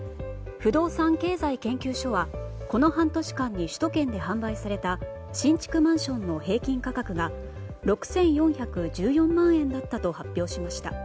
不動産経済研究所はこの半年間に首都圏で販売された新築マンションの平均価格が６４１４万円だったと発表しました。